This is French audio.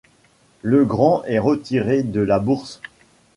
Legrand est retiré de la bourse.